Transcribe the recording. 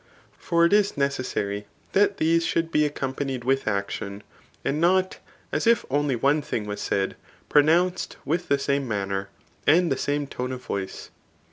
For it is necessary that these should be accompanied with action, and not, as if only one thing was said, pronounced with the same manner, and the same tone of voice.